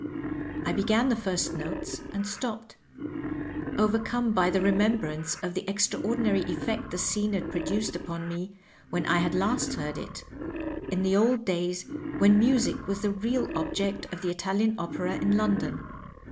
I began the first notes and stopped, overcome by the remembrance of the extraordinaiy effect the scene had produced upon me when I had last heard it, in the old days when music was the real object of the Italian opera in London.